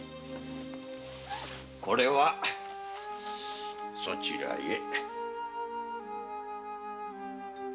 これはそちらへ。